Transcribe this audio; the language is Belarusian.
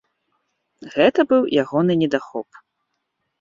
Гэта быў ягоны недахоп.